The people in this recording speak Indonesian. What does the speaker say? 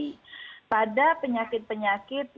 jadi pada penyakit penyakit